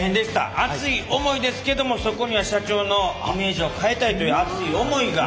ですけどもそこには社長のイメージを変えたいという熱い想いが。